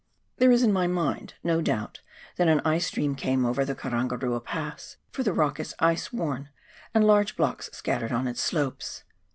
There is, in my mind, no doubt that an ice stream came over the Karangarua Pass, for the rock is ice worn, and large blocks scattered on its slopes.